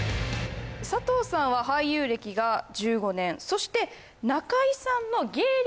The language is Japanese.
佐藤さんは俳優歴が１５年そして中居さんの芸歴